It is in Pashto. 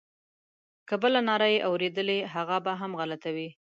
که بله ناره یې اورېدلې هغه به هم غلطه وي.